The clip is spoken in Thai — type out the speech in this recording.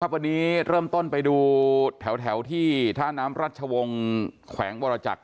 วันนี้เริ่มต้นไปดูแถวที่ท่าน้ำรัชวงศ์แขวงวรจักร